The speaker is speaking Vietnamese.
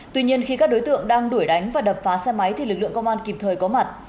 tuy nhiên khi các đối tượng đang đuổi đánh và đập phá xe máy thì lực lượng công an kịp thời có mặt